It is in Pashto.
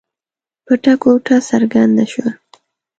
پټه ګوته څرګنده شوه.